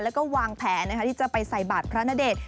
แล้วก็วางแผนที่จะไปใส่บาทพระณเดชน์